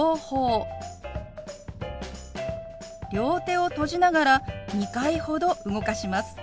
両手を閉じながら２回ほど動かします。